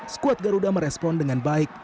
skuad garuda merespon dengan baik